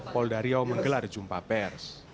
paul dario menggelar jumpa pers